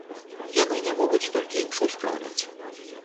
Яны не могуць толькі імшу спраўляць.